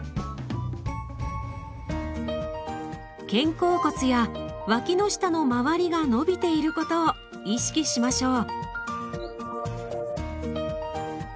肩甲骨や脇の下の周りが伸びていることを意識しましょう。